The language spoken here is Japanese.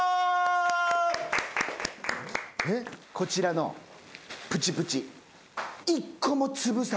こちらのプチプチ。